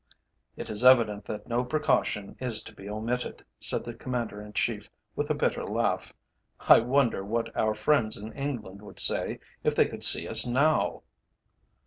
"It is evident that no precaution is to be omitted," said the Commander in Chief, with a bitter laugh. "I wonder what our friends in England would say if they could see us now?"